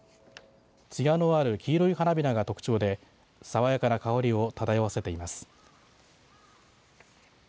つやのある黄色い花びらが特徴で爽やかな香りを漂わせています。